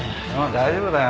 大丈夫だよ。